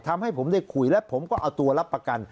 ทำให้ผมได้คุยและผมก็เอาตัวรับประกัน